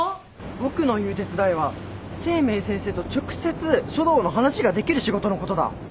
僕の言う手伝いは清明先生と直接書道の話ができる仕事のことだ。